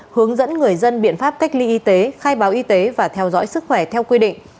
hướng dẫn người dân biện pháp cách ly y tế khai báo y tế và theo dõi sức khỏe theo quy định